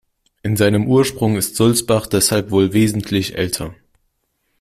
In seinem Ursprung ist Sulzbach deshalb wohl wesentlich älter.